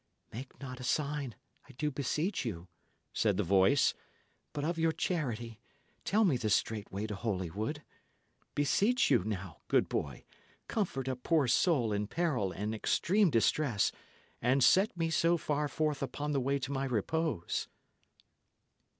"Make not a sign, I do beseech you," said the voice, "but of your charity tell me the straight way to Holywood. Beseech you, now, good boy, comfort a poor soul in peril and extreme distress, and set me so far forth upon the way to my repose."